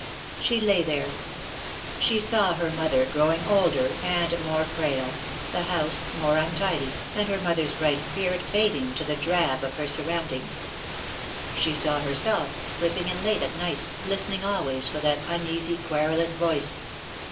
She lay there. She saw her mother growing older and more frail, the house more untidy, and her mother's bright spirit fading to the drab of her surroundings. She saw herself, slipping in late at night, listening always for that uneasy querulous voice.